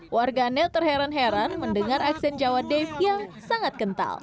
warganet terheran heran mendengar aksen jawa dave yang sangat kental